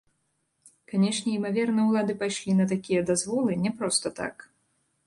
Канешне, імаверна, улады пайшлі на такія дазволы не проста так.